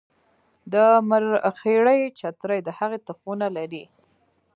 د مرخیړي چترۍ د هغې تخمونه لري